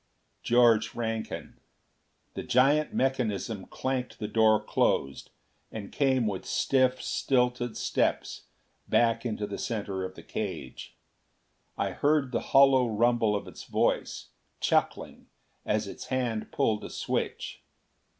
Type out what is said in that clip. George Rankin!" The giant mechanism clanked the door closed, and came with stiff, stilted steps back into the center of the cage. I heard the hollow rumble of its voice, chuckling, as its hand pulled a switch.